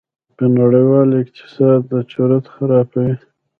په نړېوال اقتصاد چورت خرابوي.